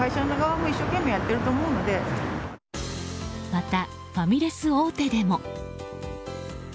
また、ファミレス大手でも。